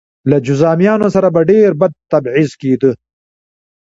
له جذامیانو سره به ډېر بد تبعیض کېده.